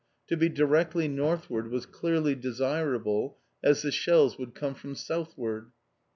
To be directly northward was clearly desirable, as the shells would come from southward.